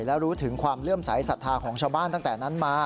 และรู้ถึงความเลื่อมสายศรัทธาของชาวบ้านตั้งแต่นั้นมา